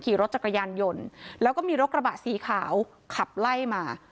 ขี่รถจักรยานยนต์แล้วก็มีรถกระบะสีขาวขับไล่มา